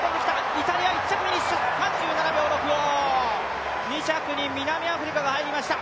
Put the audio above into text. イタリア１着フィニッシュ、３７秒６５、２着に南アフリカが入りました。